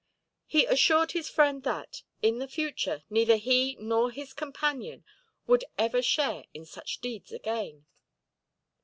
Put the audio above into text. He assured his friend that, in the future, neither he nor his companion would ever share in such deeds again.